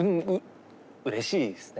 うれしいですね。